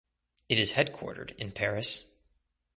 It is headquartered in Paris.